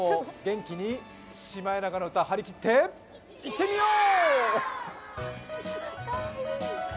今日も元気に「シマエナガの歌」張り切っていってみよう！